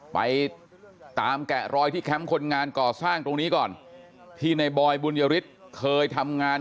ไปตามแกะรอยที่แคมป์คนงานก่อสร้างตรงนี้ก่อนที่ในบอยบุญยฤทธิ์เคยทำงาน